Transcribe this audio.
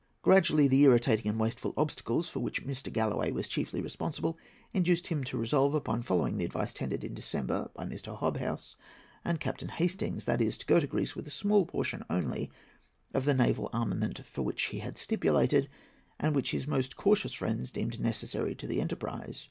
Gradually the irritating and wasteful obstacles for which Mr. Galloway was chiefly responsible induced him to resolve upon following the advice tendered in December by Mr. Hobhouse and Captain Hastings—that is, to go to Greece with a small portion only of the naval armament for which he had stipulated, and which his most cautious friends deemed necessary to his enterprise.